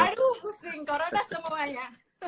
aduh pusing corona semuanya